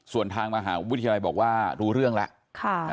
ส่วนทางมหาวิทยาลัยบอกว่ารู้เรื่องแล้ว